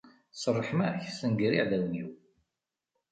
S ṛṛeḥma-k, ssenger iɛdawen-iw.